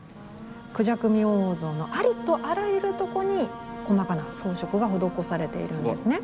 「孔雀明王像」のありとあらゆるとこに細かな装飾が施されているんですね。